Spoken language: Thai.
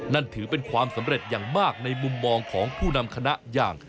นั่นถือเป็นความสำเร็จอย่างมากในมุมมองของผู้นำคณะอย่าง